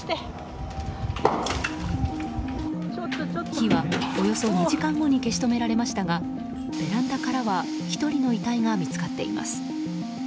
火はおよそ２時間後に消し止められましたがベランダからは１人の遺体が見つかっています。